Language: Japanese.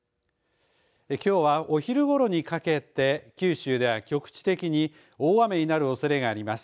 きょうは、お昼ごろにかけて九州では局地的に大雨になるおそれがあります。